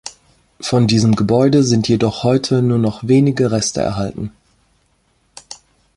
Von diesem Gebäude sind jedoch heute nur noch wenige Reste erhalten.